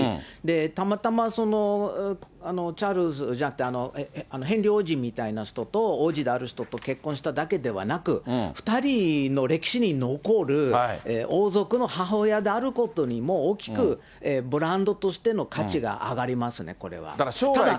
たまたまチャールズ、じゃなくて、ヘンリー王子みたいな人と、王子である人と結婚しただけではなく、２人の歴史に残る、王族の母親であることにも、大きくブランドとしての価値が上がりますね、これは。